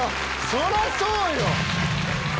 そりゃそうよ！